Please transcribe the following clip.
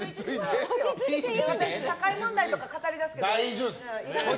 社会問題とか語りだすけどええの？